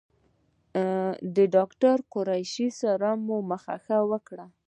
د ډاکټر او قریشي سره مو مخه ښه وکړه.